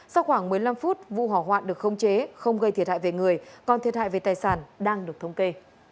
sau khoảng một mươi năm phút vụ hỏa hoạn được không chế không gây thiệt hại về người còn thiệt hại về tài sản đang được thống kê